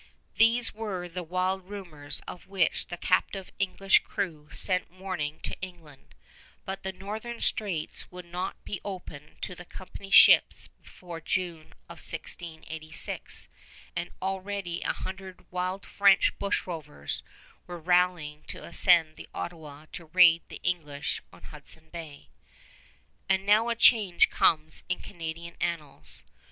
These were the wild rumors of which the captive English crew sent warning to England; but the northern straits would not be open to the company ships before June of 1686, and already a hundred wild French bushrovers were rallying to ascend the Ottawa to raid the English on Hudson Bay. And now a change comes in Canadian annals.